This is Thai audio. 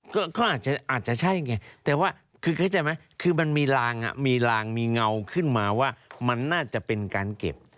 ก็อาจจะใช่ไงแต่ว่าคือเข้าใจไหมคือมันมีลางมีลางมีเงาขึ้นมาว่ามันน่าจะเป็นการเก็บ